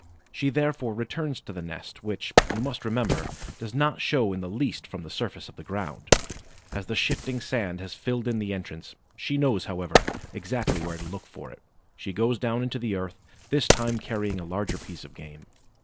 She therefore returns to the nest, which, you must remember, does not show in the least from the surface of the ground, as the shifting sand has filled in the entrance; she knows, however, exactly where to look for it; she goes down into the earth, this time carrying a larger piece of game.